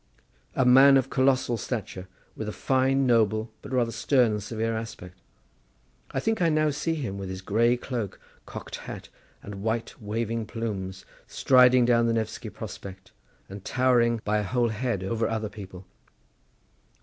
"A man of colossal stature, with a fine, noble, but rather stern and severe aspect. I think I now see him, with his grey cloak, cocked hat, and white waving plumes, striding down the Nefsky Prospect, and towering by a whole head over other people."